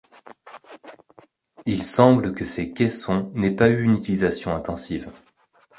Il semble que ces caissons n’aient pas eu une utilisation intensive.